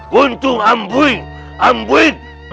gunjung ambuing ambuing